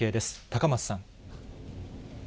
高松さん。